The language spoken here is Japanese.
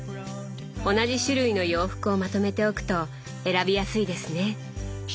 同じ種類の洋服をまとめておくと選びやすいですね。